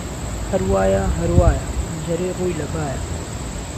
ههر وایه ههر وایه پهنجهرهی رووی له بایه